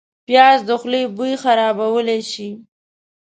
پیاز د خولې بوی خرابولی شي